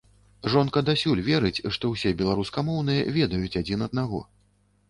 Жонка дасюль верыць, што ўсе беларускамоўныя ведаюць адзін аднаго.